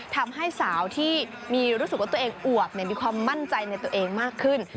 ทำให้สาวที่มีรู้สึกว่าตัวเองอวบมีความมั่นใจในตัวเองมากขึ้น